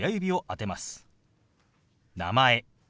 「名前」。